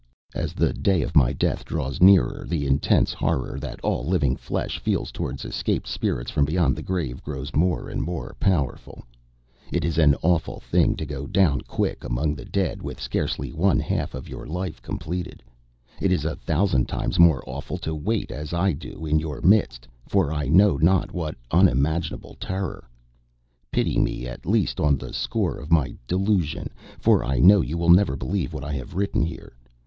As the day of my death draws nearer, the intense horror that all living flesh feels toward escaped spirits from beyond the grave grows more and more powerful. It is an awful thing to go down quick among the dead with scarcely one half of your life completed. It is a thousand times more awful to wait as I do in your midst, for I know not what unimaginable terror. Pity me, at least on the score of my "delusion," for I know you will never believe what I have written here.